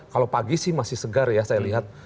kalau pagi sih masih segar ya saya lihat